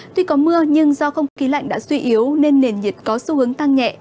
tuy có mưa nhưng do không khí lạnh đã suy yếu nên nền nhiệt có xu hướng tăng nhẹ